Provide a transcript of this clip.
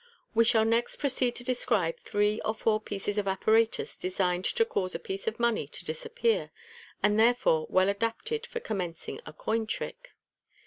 We shall next procei I to describe three or four pieces of apparatus designed to cause a piece of money to disappear, and therefore well adapted for commencing a coin trick.